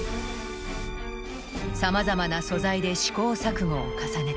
さまざまな素材で試行錯誤を重ねた。